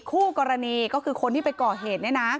หูกรณีก็คือคนที่เกาะเหตุ